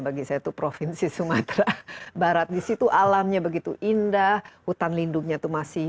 bagi saya itu provinsi sumatera barat disitu alamnya begitu indah hutan lindungnya itu masih